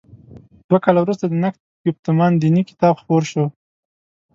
دوه کاله وروسته د «نقد ګفتمان دیني» کتاب خپور شو.